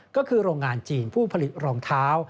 ก็คือโรงงานจีนผู้ผลิตรองเท้า